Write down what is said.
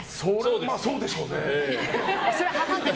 まあそうでしょうね。